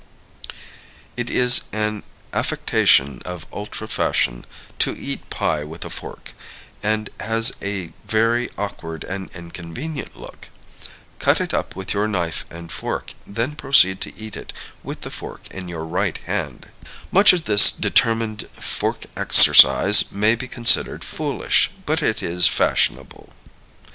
It is an affectation of ultra fashion to eat pie with a fork, and has a very awkward and inconvenient look. Cut it up with your knife and fork, then proceed to eat it with the fork in your right hand. Much of this determined fork exercise may be considered foolish; but it is fashionable.